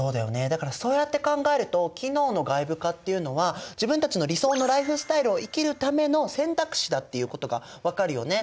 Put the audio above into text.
だからそうやって考えると機能の外部化っていうのは自分たちの理想のライフスタイルを生きるための選択肢だっていうことが分かるよね。